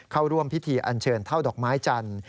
เข้าร่วมพิธีอันเชิญเท่าดอกไม้จันทร์